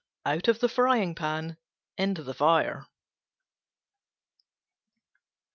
Out of the frying pan into the fire.